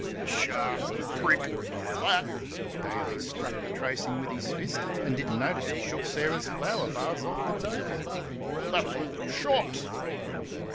"Pshaw! Crick! ... That" (Daly struck the tracing with his fist, and didn't notice he shook Sarah's flower vase off the table), "that's all shops."